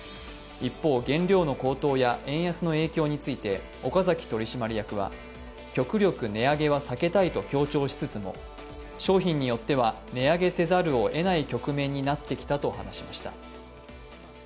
一方、原料の高騰や円安の影響について岡崎取締役は極力値上げは避けたいと強調しつつも商品によっては、値上げせざるをえない局面になってきたと話しました。